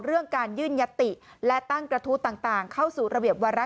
เรื่องการยื่นยติและตั้งกระทู้ต่างเข้าสู่ระเบียบวาระ